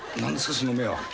その目は。